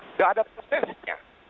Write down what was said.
nggak ada persennya